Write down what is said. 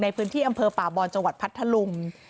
ในพื้นที่อำเภอป่าบอนจังหวัดพัทธลุง